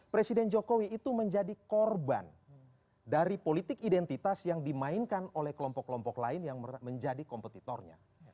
presiden jokowi itu menjadi korban dari politik identitas yang dimainkan oleh kelompok kelompok lain yang menjadi kompetitornya